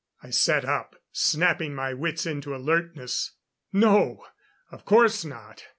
I sat up, snapping my wits into alertness. "No. Of course not.